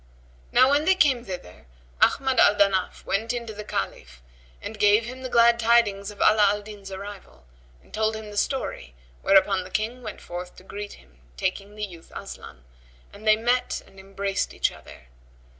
Now when they came thither, Ahmad al Danaf went in to the Caliph and gave him the glad tidings of Ala al Din's arrival—and told him his story whereupon the King went forth to greet him taking the youth Aslan, and they met and embraced each other.